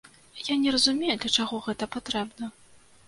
Я не разумею, для чаго гэта патрэбна.